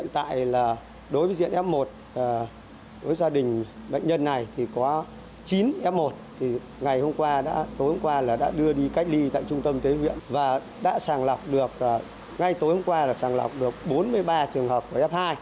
tối hôm qua đã đưa đi cách ly tại trung tâm tế viện và đã sàng lọc được bốn mươi ba trường hợp của f hai